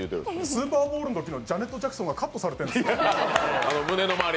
スーパーボールのときのジャネット・ジャクソンがカットされてるんですよ。